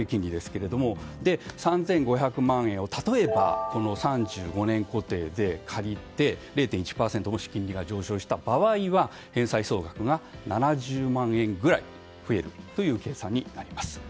例えば３５００万円を３５年固定で借りて０．１％もし金利が上昇した場合は返済総額が７０万円くらい増えるという計算になります。